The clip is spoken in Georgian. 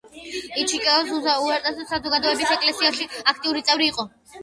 ის ჩიკაგოს უესტსაიდის საზოგადოების ეკლესიის აქტიური წევრი იყო.